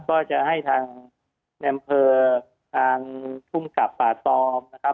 นะครับก็จะให้ทางแบมเภอทางชุมกรรมภาโตรมนะครับ